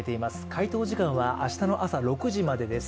回答時間は明日の朝６時までです。